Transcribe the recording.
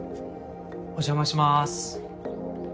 お邪魔します。